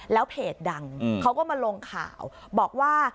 แล้วเพจดังเขาก็มาลงข่าวบอกว่า